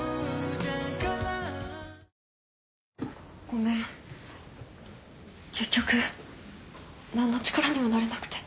ごめん結局何の力にもなれなくて。